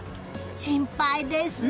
心配です。